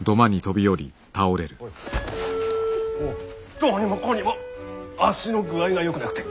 どうにもこうにも足の具合がよくなくて。